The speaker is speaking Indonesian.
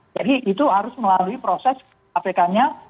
jadi itu harus melalui proses apk nya